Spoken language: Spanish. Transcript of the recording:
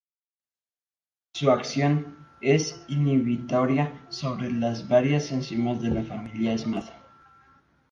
Su acción es inhibitoria sobre las varias enzimas de la familia Smad.